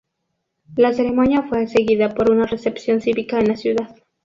La ceremonia fue seguida por una recepción cívica en la ciudad.